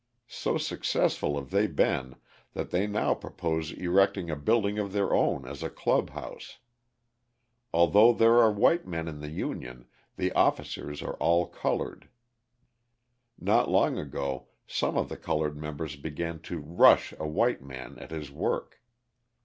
So successful have they been that they now propose erecting a building of their own as a club house. Although there are white men in the union the officers are all coloured. Not long ago some of the coloured members began to "rush" a white man at his work.